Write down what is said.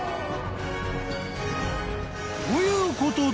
ということで］